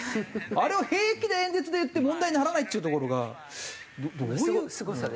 あれを平気で演説で言って問題にならないっちゅうところがどういう？